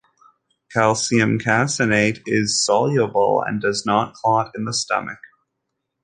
Calcium caseinate is soluble and does not clot in the stomach.